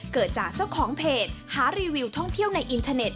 เกิดจากเจ้าของเพจหารีวิวท่องเที่ยวในอินเทอร์เน็